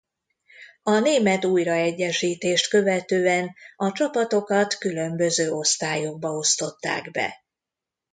A német újraegyesítést követően a csapatokat különböző osztályokba osztották be.